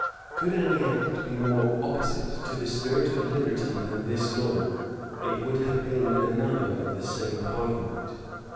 Could any act be more opposite to the spirit of liberty than this law, it would have been another of the same parliament.